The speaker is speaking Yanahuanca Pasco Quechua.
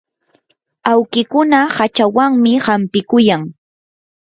awkikuna hachawanmi hampikuyan.